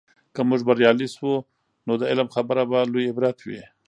که موږ بریالي سو، نو د علم خبره به لوي عبرت وي.